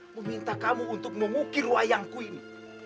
meminta kamu untuk mengukir wayangku ini